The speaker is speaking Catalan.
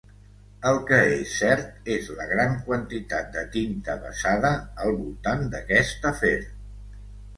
El que és cert és la gran quantitat de tinta vessada al voltant d'aquest afer.